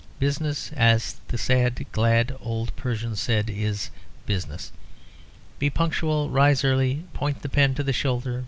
Business, as the sad glad old Persian said, is business. Be punctual. Rise early. Point the pen to the shoulder.